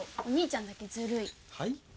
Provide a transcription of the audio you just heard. お兄ちゃんだけずるい。